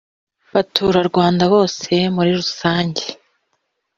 baturarwanda bose muri rusange